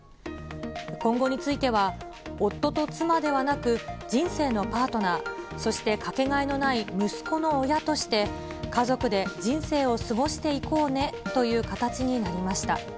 今後については、夫と妻ではなく、人生のパートナー、そして掛けがえのない息子の親として、家族で人生を過ごしていこうねという形になりました。